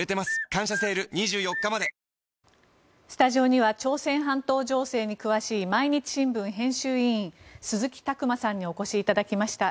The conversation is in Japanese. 「感謝セール」２４日までスタジオには朝鮮半島情勢に詳しい毎日新聞編集委員鈴木琢磨さんにお越しいただきました。